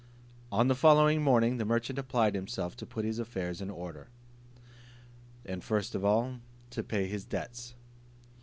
On the following morning the merchant applied himself to put his affairs in order; and first of all to pay his debts.